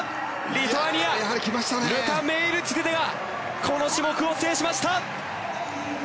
リトアニアルタ・メイルティテがこの種目を制しました。